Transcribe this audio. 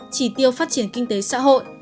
chỉ tiêu phát triển kinh tế xã hội